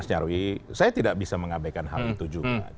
saya mengabaikan hal itu juga